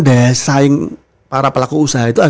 daya saing para pelaku usaha itu